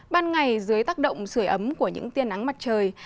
ban ngày dưới tác động sửa ấm của những tiên nắng mặt trời